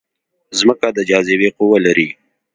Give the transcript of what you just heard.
ځمکه د جاذبې قوه لري